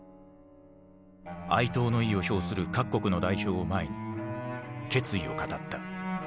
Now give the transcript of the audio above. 哀悼の意を表する各国の代表を前に決意を語った。